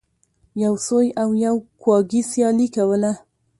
یو سوی او یو کواګې سیالي کوله.